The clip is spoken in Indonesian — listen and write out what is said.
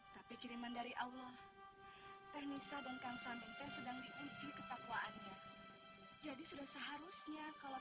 tapi kiriman dari allah teknis adegan sambil sedang diuji ketakwaannya jadi sudah seharusnya kalau